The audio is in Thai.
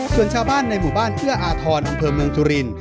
ส่วนชาวบ้านในหมู่บ้านเพื่ออาธรองค์เผิมเมืองทุริน